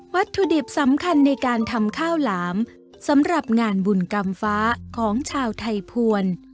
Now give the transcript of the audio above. วัตถุดิบสำคัญในการทำข้าวหลามสำหรับงานบุญกรรมฟ้าของชาวไทยภวร